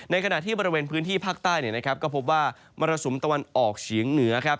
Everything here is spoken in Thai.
ขณะที่บริเวณพื้นที่ภาคใต้ก็พบว่ามรสุมตะวันออกเฉียงเหนือครับ